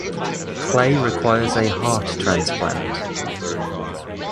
Clay requires a heart transplant.